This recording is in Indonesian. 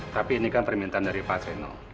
tapi ini kan permintaan dari pak seno